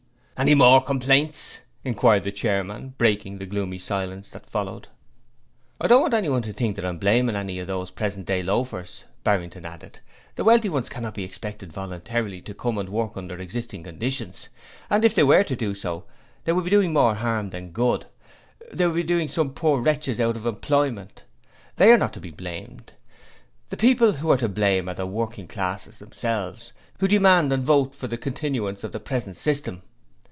'Any more complaints?' inquired the chairman, breaking the gloomy silence that followed. 'I don't want anyone to think that I am blaming any of these present day loafers,' Barrington added. 'The wealthy ones cannot be expected voluntarily to come and work under existing conditions and if they were to do so they would be doing more harm than good they would be doing some poor wretches out of employment. They are not to be blamed; the people who are to blame are the working classes themselves, who demand and vote for the continuance of the present system.